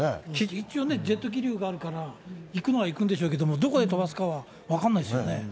一応、ジェット気流があるから、行くのは行くんでしょうけど、どこへ飛ばすかは分からないですよね。